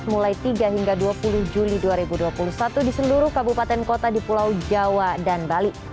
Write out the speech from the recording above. mulai tiga hingga dua puluh juli dua ribu dua puluh satu di seluruh kabupaten kota di pulau jawa dan bali